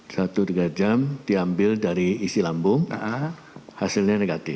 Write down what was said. satu tiga jam diambil dari isi lambung hasilnya negatif